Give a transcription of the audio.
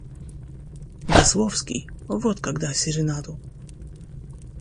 Весловский, вот когда серенаду.